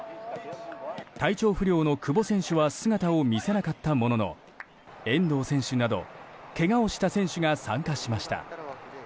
体調不良の久保選手は姿を見せなかったものの遠藤選手などけがをした選手が参加しました。